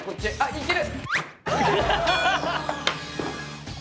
いける！